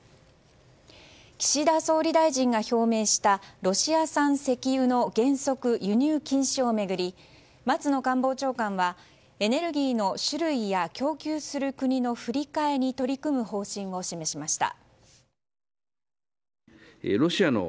岸田総理大臣が表明したロシア産石油の原則輸入禁止を巡り松野官房長官はエネルギーの種類や供給する国の振り替えに取り組む方針を示しました。